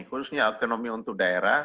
khususnya ekonomi untuk daerah